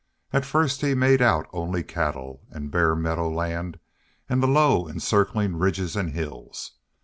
At first he made out only cattle, and bare meadowland, and the low encircling ridges and hills.